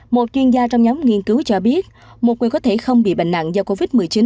một chuyên gia trong nhóm nghiên cứu cho biết một quyền có thể không bị bệnh nặng do covid một mươi chín